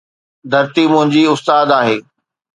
ڌرتي منهنجي استاد آهي